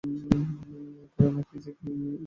করুণা যে কী গোলে পড়িয়াছে তাহা সেই জানে।